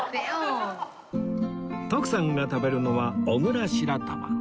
徳さんが食べるのは小倉白玉